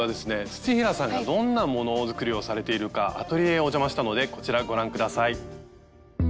土平さんがどんな物作りをされているかアトリエへお邪魔したのでこちらご覧下さい。